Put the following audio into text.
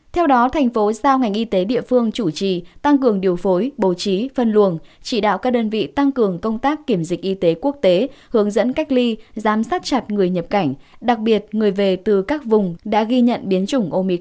theo đó thành phố giao ngành y tế địa phương chủ trì tăng cường điều phối bố trí phân luồng chỉ đạo các đơn vị tăng cường công tác kiểm dịch y tế quốc tế hướng dẫn cách ly giám sát chặt người nhập cảnh đặc biệt người về từ các vùng đã ghi nhận biến chủng